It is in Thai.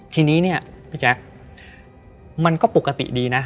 ทีนี้เนี่ยพี่แจ๊คมันก็ปกติดีนะ